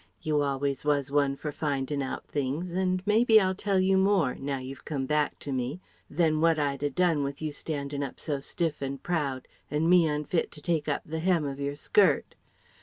You always was one for findin' out things, and maybe I'll tell you more, now you've come back to me, than what I'd a done with you standing up so stiff and proud and me unfit to take up the hem of your skirt....